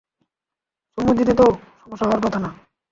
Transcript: চুমু দিতে তো, সমস্যা হওয়ার কথা না।